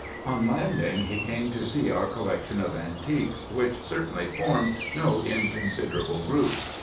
On landing, he came to see our collection of antiques, which certainly formed no inconsiderable group.